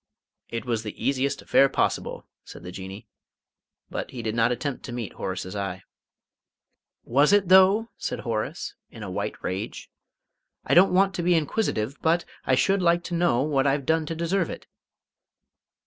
"It was the easiest affair possible," said the Jinnee, but he did not attempt to meet Horace's eye. "Was it, though?" said Horace, in a white rage. "I don't want to be inquisitive, but I should like to know what I've done to deserve it?"